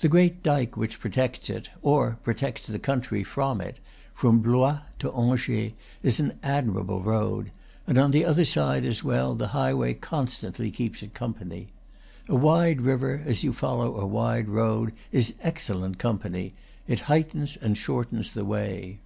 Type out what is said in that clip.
The great dike which protects it, or, protects the country from it, from Blois to Angers, is an admirable road; and on the other side, as well, the highway con stantly keeps it company. A wide river, as you follow a wide road, is excellent company; it heightens and shortens the way.